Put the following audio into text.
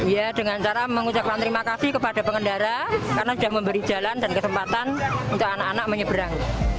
ya dengan cara mengucapkan terima kasih kepada pengendara karena sudah memberi jalan dan kesempatan untuk anak anak menyeberang